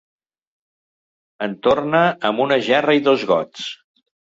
En torna amb una gerra i dos gots.